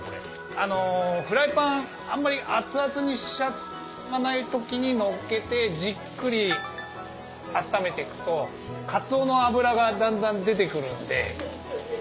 あのフライパンあんまり熱々にしちゃわない時にのっけてじっくりあっためてくとかつおの脂がだんだん出てくるんで。